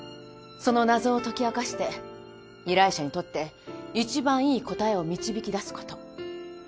その謎を解き明かして依頼者にとって一番いい答えを導き出すこと。